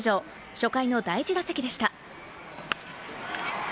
初回の第１打席でした。